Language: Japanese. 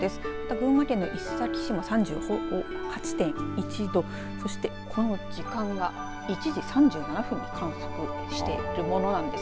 群馬県の伊勢崎市３８．１度そしてこの時間が１時３７分に観測しているものなんです。